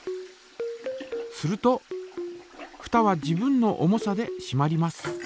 するとふたは自分の重さでしまります。